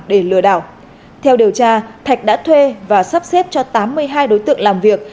để lừa đảo theo điều tra thạch đã thuê và sắp xếp cho tám mươi hai đối tượng làm việc